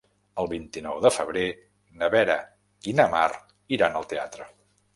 El vint-i-nou de febrer na Vera i na Mar iran al teatre.